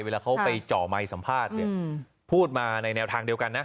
เวลาเขาไปจ่อไมค์สัมภาษณ์เนี่ยพูดมาในแนวทางเดียวกันนะ